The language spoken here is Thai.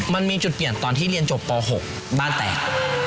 มันมีจุดเปลี่ยนตอนที่เรียนจบป๖บ้านแตก